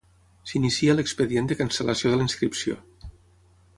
S'inicia l'expedient de cancel·lació de la inscripció.